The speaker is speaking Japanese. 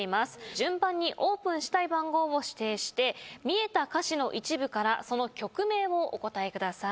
順番にオープンしたい番号を指定して見えた歌詞の一部からその曲名をお答えください。